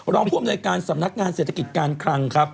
รองภวมในการสำนักงานเศรษฐกิจการคลังครับ